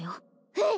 えっ！